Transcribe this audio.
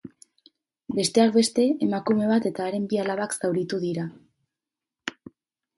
Besteak beste, emakume bat eta haren bi alabak zauritu dira.